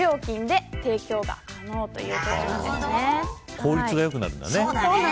効率が良くなるんだね。